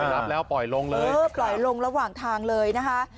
รับแล้วปล่อยลงเลยเออปล่อยลงระหว่างทางเลยนะคะ